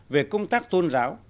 về công tác tôn giáo